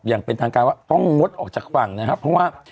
อย่างเป็นทางการว่าต้องงดออกจากฝั่งนะครับเพราะว่า